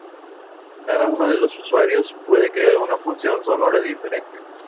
Cada uno de los usuarios puede crear una función sonora diferente.